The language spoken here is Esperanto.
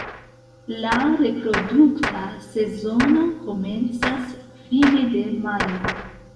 La reprodukta sezono komencas fine de majo.